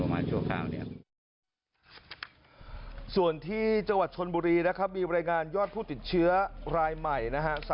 มีบรรยางานยอดผู้ติดเชื้อรายใหม่